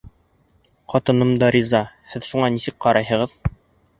Ҡатыным да риза, һеҙ шуға нисек ҡарайһығыҙ?